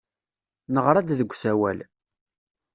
Neɣra-d deg usawal.